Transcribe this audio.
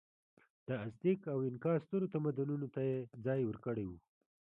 د ازتېک او اینکا سترو تمدنونو ته یې ځای ورکړی و.